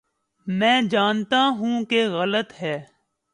میں جانتا ہوں کہ غلط ہے۔